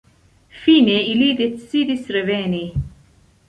Fine ili decidis reveni.